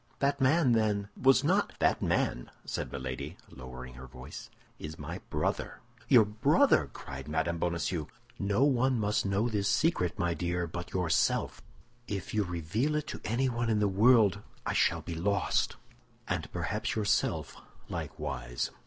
"That man, then, was not—" "That man," said Milady, lowering her voice, "is my brother." "Your brother!" cried Mme. Bonacieux. "No one must know this secret, my dear, but yourself. If you reveal it to anyone in the world, I shall be lost, and perhaps yourself likewise."